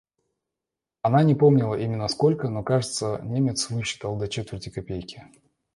Она не помнила именно сколько, но, кажется, Немец высчитал до четверти копейки.